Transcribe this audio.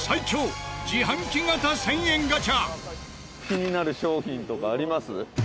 気になる商品とかあります？